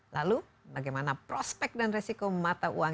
lalu bagaimana prospek dan resiko mata uang